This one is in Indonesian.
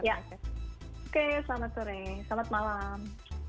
ya oke selamat sore selamat malam